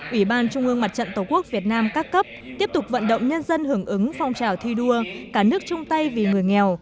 ủy ban trung ương mặt trận tổ quốc việt nam các cấp tiếp tục vận động nhân dân hưởng ứng phong trào thi đua cả nước chung tay vì người nghèo